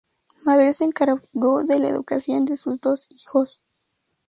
Mabel se encargó de la educación de sus dos hijos.